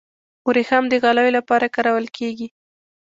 وریښم د غالیو لپاره کارول کیږي.